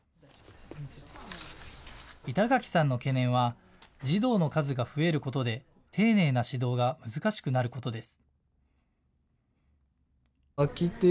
板垣さんの懸念は児童の数が増えることで丁寧な指導が難しくなることです。